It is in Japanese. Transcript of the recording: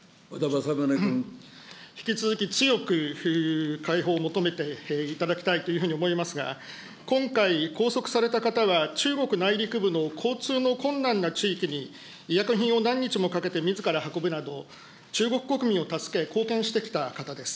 引き続き強く解放を求めていただきたいというふうに思いますが、今回、拘束された方は、中国内陸部の交通の困難な地域に、医薬品を何日もかけてみずから運ぶなど、中国国民を助け、貢献してきた方です。